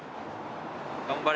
頑張れ。